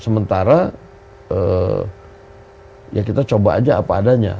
sementara ya kita coba aja apa adanya